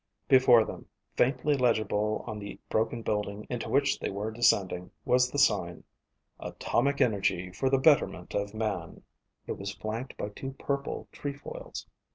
Before them, faintly legible on the broken building into which they were descending was the sign: ATOMIC ENERGY FOR THE BETTERMENT OF MAN It was flanked by two purple trefoils.